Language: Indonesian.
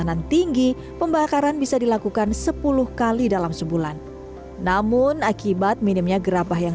kanan tinggi pembakaran bisa dilakukan sepuluh kali dalam sebulan namun akibat minimnya gerabah yang